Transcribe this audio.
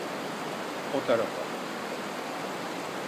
O tarafa!